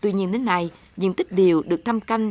tuy nhiên đến nay diện tích điều được thăm canh